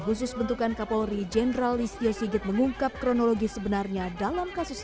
khusus bentukan kapolri jenderal listio sigit mengungkap kronologi sebenarnya dalam kasus